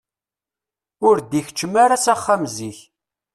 Ur d-ikeččem ara s axxam zik.